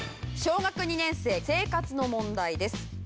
小学２年生生活の問題です。